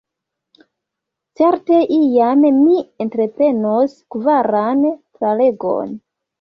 Certe, iam mi entreprenos kvaran tralegon.